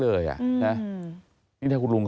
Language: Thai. ก็มีการออกรูปรวมปัญญาหลักฐานออกมาจับได้ทั้งหมด